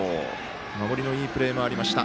守りのいいプレーもありました。